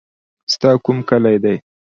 ستا کوم کلی دی.